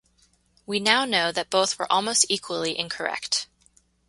We now know that both were almost equally incorrect.